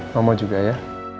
mama juga ya